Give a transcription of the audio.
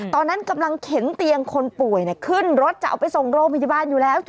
ตอนนั้นกำลังเข็นเตียงคนป่วยขึ้นรถจะเอาไปส่งโรงพยาบาลอยู่แล้ว